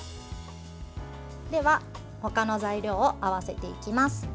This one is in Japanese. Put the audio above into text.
では、ほかの材料を合わせていきます。